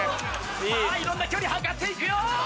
さぁいろんな距離測っていくよ！